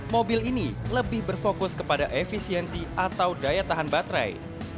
mobil ini lebih berfokus kepada efisiensi atau daya tahan baterai